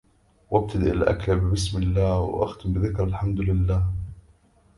وابتدىء الاكل ببسم الله واختم بذكر الحمد للإله